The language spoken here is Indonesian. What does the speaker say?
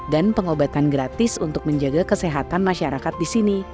dan pengobatan gratis untuk menjaga kesehatan masyarakat disini